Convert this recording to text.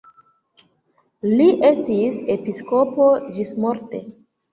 Li estis episkopo ĝismorte.